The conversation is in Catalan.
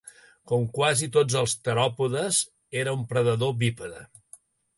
Com quasi tots els teròpodes, era un predador bípede.